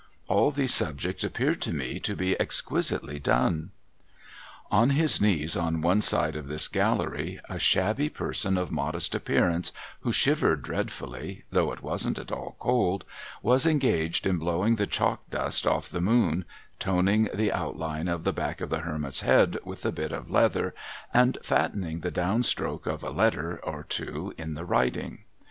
All these subjects appeared to me to be exquisitely done. On his knees on one side of this gallery, a shabby person of modest appearance who shivered dreadfully (though it wasn't at all cold), was engaged in blowing the chalk dust off the moon, toning the outline of the back of the hermit's head with a bit of leather, and fattening the down stroke of a letter or two in the writing.